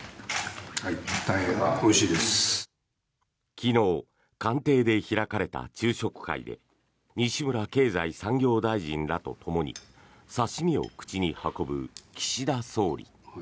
昨日、官邸で開かれた昼食会で西村経済産業大臣らとともに刺し身を口に運ぶ岸田総理。